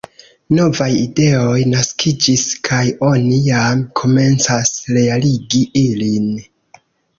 Novaj ideoj naskiĝis kaj oni jam komencas realigi ilin.